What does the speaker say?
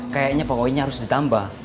kayaknya pegawainya harus ditambah